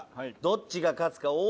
どっちが勝つか。